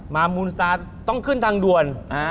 มาร์มูนสตาร์ต้องขึ้นทางด่วน